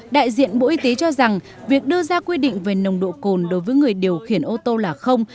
đại diện bộ y tế cho rằng việc đưa ra quy định về nồng độ cồn đối với người điều khiển ô tô là không